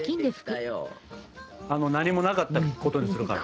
何もなかったことにするから。